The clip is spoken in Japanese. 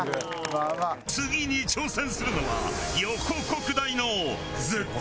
次に挑戦するのは。